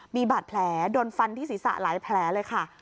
มีบาดแผลโดนฟันที่ศีรษะหลายแผลเลยค่ะ